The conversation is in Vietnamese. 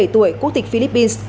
năm mươi bảy tuổi quốc tịch philippines